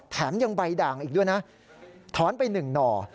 แถมยังใบดังอีกด้วยนะถอนไปหนึ่งหน่อ